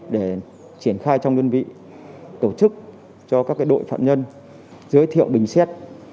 để triển khai trong đơn vị tổ chức cho các đội phạm nhân giới thiệu bình xét